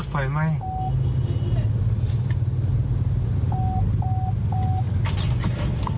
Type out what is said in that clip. รถไฟไหม